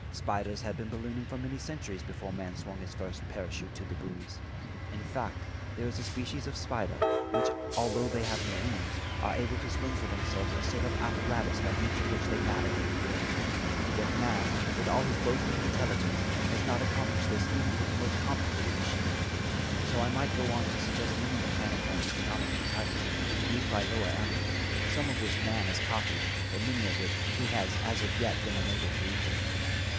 Spiders had been ballooning for many centuries before man swung his first parachute to the breeze. In fact, there is a species of spider, which, although they have no wings, are able to spin for themselves a sort of apparatus by means of which they navigate the air; yet man, with all his boasted intelligence, has not accomplished this, even with the most complicated machinery. So I might go on to suggest many mechanical and economic contrivances used by lower animals, some of which man has copied but many of which he has as yet been unable to equal.